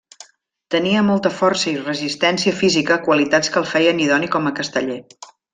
Tenia molta força i resistència física, qualitats que el feien idoni com a casteller.